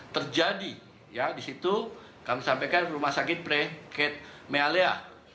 terjadi ya di situ kami sampaikan rumah sakit preket mealea